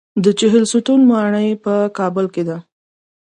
د چهلستون ماڼۍ په کابل کې ده